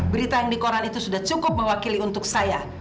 berita yang di koran itu sudah cukup mewakili untuk saya